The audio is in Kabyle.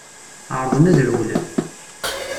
Ԑerḍen ad rewlen.